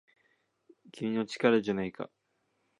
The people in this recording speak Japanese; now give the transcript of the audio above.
君の力じゃないか